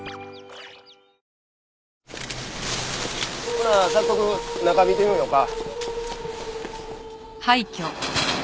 ほな早速中見てみましょうか。